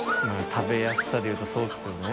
食べやすさでいうとそうですよね。